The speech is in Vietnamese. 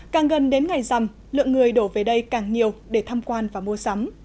càng gần đến ngày rằm lượng người đổ về đây càng nhiều để tham quan và mua sắm